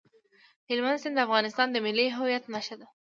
هلمند سیند د افغانستان د ملي هویت نښه ده.